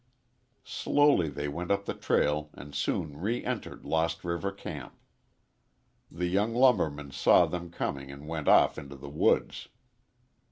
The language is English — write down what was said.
Slowly they went up the trail and soon reentered Lost River camp. The young lumberman saw them coming and went off into the woods.